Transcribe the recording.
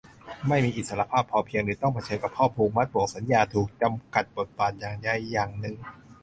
ไม่มีอิสรภาพเพียงพอหรือต้องเผชิญกับข้อผูกมัด บ่วงสัญญา ถูกจำกัดบทบาทอย่างใดอย่างหนึ่ง